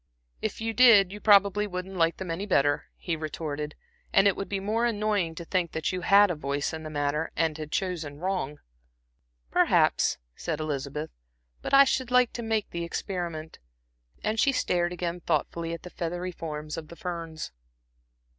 "If you did, you probably wouldn't like them any better," he retorted. "And it would be more annoying to think that you had had a voice in the matter and had chosen wrong." "Perhaps," said Elizabeth, "but I should like to make the experiment." And she stared again thoughtfully at the feathery forms of the ferns.